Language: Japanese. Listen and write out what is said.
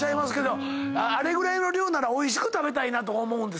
あれぐらいの量ならおいしく食べたいなと思うんですね。